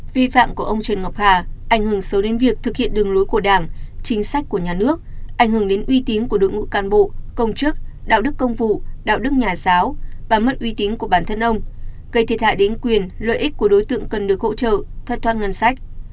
vi phạm của ông trần ngọc hà ảnh hưởng sâu đến việc thực hiện đường lối của đảng chính sách của nhà nước ảnh hưởng đến uy tín của đội ngũ cán bộ công chức đạo đức công vụ đạo đức nhà giáo và mất uy tín của bản thân ông gây thiệt hại đến quyền lợi ích của đối tượng cần được hỗ trợ thất thoát ngân sách